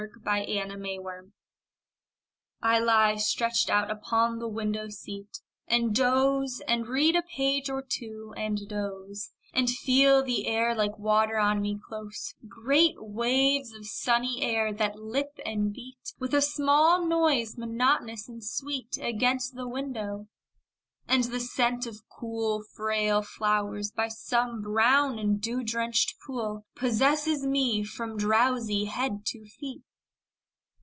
3. May Morning I lie stretched out upon the window seat And doze, and read a page or two, and doze, And feel the air like water on me close, Great waves of sunny air that lip and beat With a small noise, monotonous and sweet, Against the window and the scent of cool, Frail flowers by some brown and dew drenched pool Possesses me from drowsy head to feet.